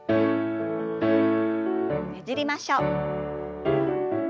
ねじりましょう。